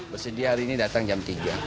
bersedia hari ini datang jam tiga